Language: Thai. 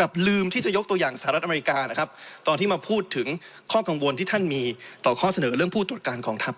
กับลืมที่จะยกตัวอย่างสหรัฐอเมริกาตอนที่มาพูดถึงข้อกังวลที่ท่านมีต่อข้อเสนอเรื่องผู้ตรวจการกองทัพ